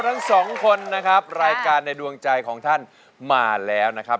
ทั้งสองคนนะครับรายการในดวงใจของท่านมาแล้วนะครับ